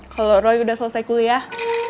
kalau roy udah selesai kuliah